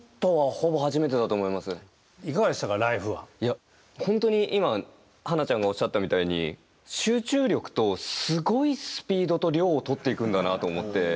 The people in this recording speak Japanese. いや本当に今花ちゃんがおっしゃったみたいに集中力とすごいスピードと量を撮っていくんだなと思って。